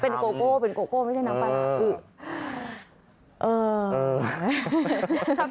เป็นโกโก้เป็นโกโก้ไม่ใช่น้ำปลาร้า